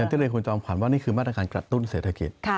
ที่เรียนคุณจอมขวัญว่านี่คือมาตรการกระตุ้นเศรษฐกิจ